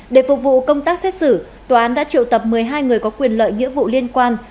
để phục vụ công tác xét xử tòa án đã triệu tập một mươi hai người có quyền lợi nghĩa vụ liên quan